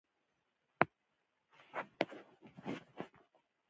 هندوانه د ماشومانو د خوښې سندره ده.